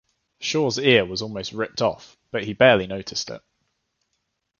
Shore's ear was almost ripped off but he barely noticed it.